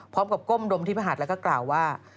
พร้อมกับก้มดมที่พระหัสแล้วก็กล่าวว่า